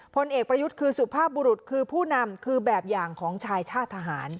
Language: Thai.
พลเอกประยุทธ์คือสุภาพบุรุษคือผู้นำคือแบบอย่างของชายชาติทหาร